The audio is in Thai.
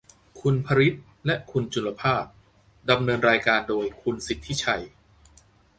คุณพริษฐ์และคุณจุลภาส ดำเนินรายการโดยคุณสิทธิชัย